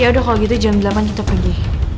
ya udah kalau gitu jam delapan kita pergi